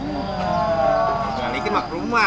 balikin mak rumah